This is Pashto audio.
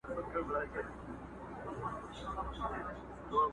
د خوشحال خان د مرغلرو قدر څه پیژني؛